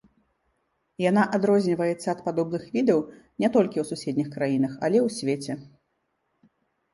Яна адрозніваецца ад падобных відаў не толькі ў суседніх краінах, але і ў свеце.